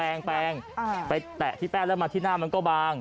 เออแปรงไปแตะที่แป๊บมาที่หน้ามันก็บาง